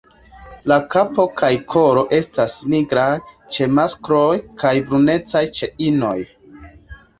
La kapo kaj kolo estas nigraj ĉe maskloj kaj brunecaj ĉe inoj.